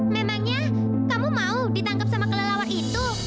memangnya kamu mau ditangkep sama kelalauan itu